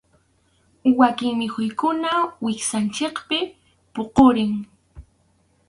Wakin mikhuykunaqa wiksanchikpi puqurin.